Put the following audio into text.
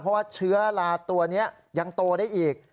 เพราะว่าเชื้อลาตัวนี้ยังโตได้อีก